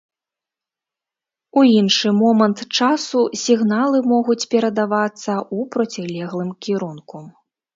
У іншы момант часу сігналы могуць перадавацца ў процілеглым кірунку.